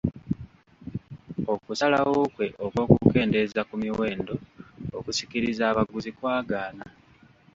Okusalawo kwe okw'okukendeeza ku miwendo okusikiriza abaguzi kwagaana.